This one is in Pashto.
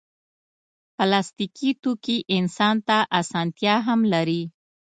پلاستيکي توکي انسان ته اسانتیا هم لري.